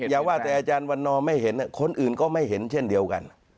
อย่าว่าแต่อาจารย์วันนอร์ไม่เห็นคนอื่นก็ไม่เห็นเช่นเดียวกัน